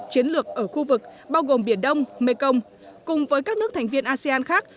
chiến lược ở khu vực bao gồm biển đông mekong cùng với các nước thành viên asean khác